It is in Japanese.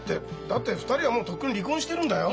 だって２人はもうとっくに離婚してるんだよ。